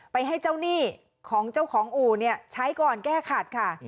ให้เจ้าหนี้ของเจ้าของอู่ใช้ก่อนแก้ขัดค่ะ